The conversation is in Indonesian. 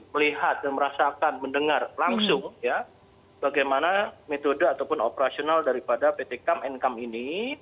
melihat dan merasakan mendengar langsung bagaimana metode ataupun operasional dari pt kam nkam ini